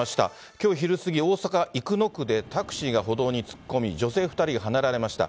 きょう昼過ぎ、大阪・生野区でタクシーが歩道に突っ込み、女性２人がはねられました。